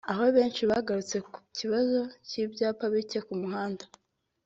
aho benshi bagarutse ku kibazo cy’ibyapa bike ku mihanda